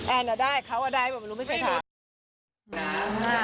แอนอ่ะได้เขาอ่ะได้บอกไม่รู้ไม่เคยถาม